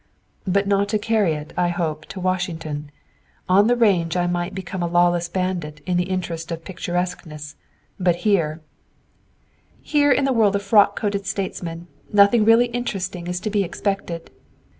"But not to carry it, I hope, to Washington. On the range I might become a lawless bandit in the interest of picturesqueness; but here " "Here in the world of frock coated statesmen nothing really interesting is to be expected."